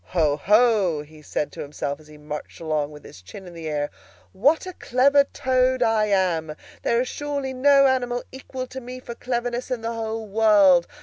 "Ho, ho!" he said to himself as he marched along with his chin in the air, "what a clever Toad I am! There is surely no animal equal to me for cleverness in the whole world!